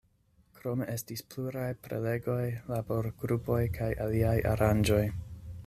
Krome estis pluraj prelegoj, laborgrupoj kaj aliaj aranĝoj.